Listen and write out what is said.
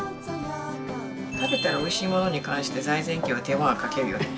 食べたらおいしいものに関して財前家は手間はかけるよね。